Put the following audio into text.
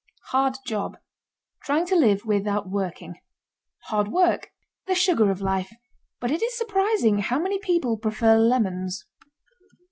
HARD JOB. Trying to live without working. HARD WORK. The sugar of life, but it is surprising how many people prefer lemons.